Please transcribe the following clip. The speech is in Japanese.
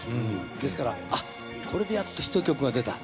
ですからあっこれでやっとヒット曲が出た。